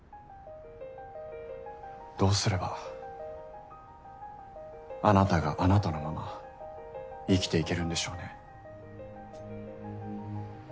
どうすればあなたがあなたのまま生きていけるんでしょうね。